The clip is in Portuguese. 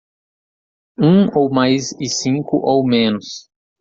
Um ou mais e cinco ou menos